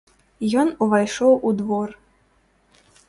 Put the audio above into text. Ён увайшоў у двор.